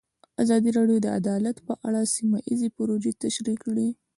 ازادي راډیو د عدالت په اړه سیمه ییزې پروژې تشریح کړې.